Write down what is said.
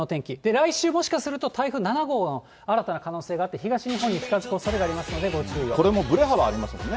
来週、もしかすると台風７号の新たな可能性があって、東日本に近づくおそれがありますので、これもぶれ幅ありますもんね。